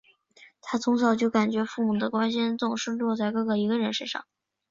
她从小就感觉父母的关心总是落在哥哥一个人的身上。